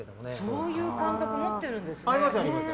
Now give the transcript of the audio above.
そういう感覚持ってるんですね。